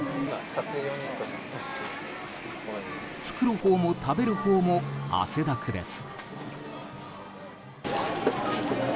作るほうも食べるほうも汗だくです。